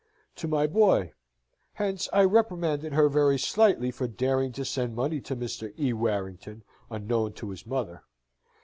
to my boy. Hence I reprimanded her very slightly for daring to send money to Mr. E. Warrington, unknown to his mother.